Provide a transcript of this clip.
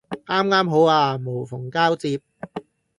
啱啱好啊無縫交接